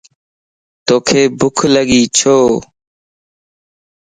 توک ڀک لڳي ڇو؟